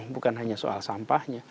bukan hanya soal sampahnya